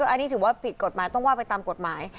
อันนี้ถือว่าผิดกฎหมายต้องว่าไปตามกฎหมาย